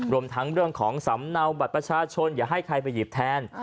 รวมทั้งเรื่องของสำเนาบัตรประชาชนอย่าให้ใครไปหยิบแทน